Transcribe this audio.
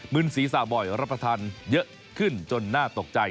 มึนศรีสาบอยรับประทันเยอะขึ้นจนน่าตกใจ